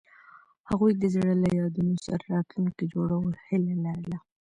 هغوی د زړه له یادونو سره راتلونکی جوړولو هیله لرله.